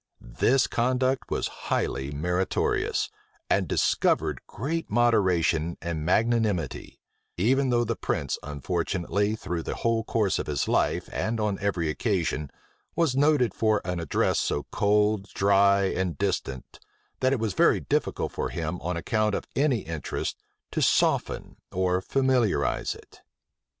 This conduct was highly meritorious, and discovered great moderation and magnanimity; even though the prince unfortunately, through the whole course of his life, and on every occasion, was noted for an address so cold, dry, and distant, that it was very difficult for him, on account of any interest, to soften or familiarize it.